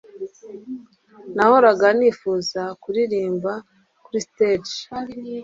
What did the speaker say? Nahoraga nifuza kuririmba kuri stage